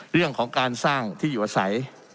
เรื่องของการสร้างที่อยู่อาศัย